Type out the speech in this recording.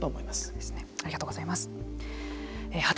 ありがとうございます。